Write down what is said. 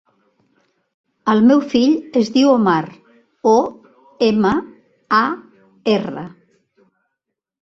El meu fill es diu Omar: o, ema, a, erra.